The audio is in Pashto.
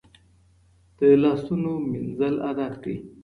د لاسونو مینځل عادت کړئ.